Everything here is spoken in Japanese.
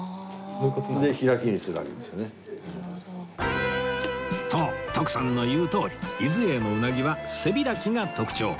そう徳さんの言うとおり伊豆榮のうなぎは背開きが特徴